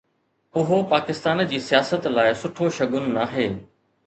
اهو پاڪستان جي سياست لاءِ سٺو شگون ناهي.